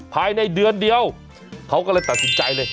ภายในเดือนเดียวเขาก็เลยตัดสินใจเลย